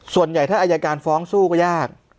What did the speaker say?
ส่วนใหญ่ถ้าอายการฟ้องสู้ก็ยาก